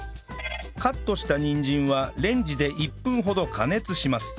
カットしたにんじんはレンジで１分ほど加熱します